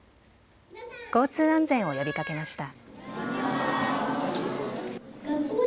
交通安全を呼びかけました。